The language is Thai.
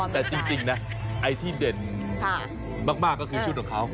แต่จริงนะไอ้ที่เด่นมากก็คือชุดของเขา